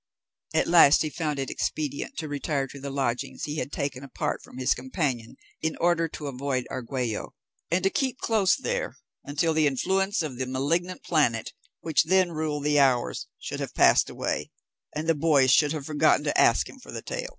At last he found it expedient to retire to the lodgings he had taken apart from his companion in order to avoid Argüello, and to keep close there until the influence of the malignant planet which then ruled the hours should have passed away, and the boys should have forgotten to ask him for the tail.